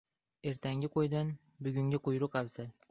• Ertangi qo‘ydan, bugungi quyruq afzal.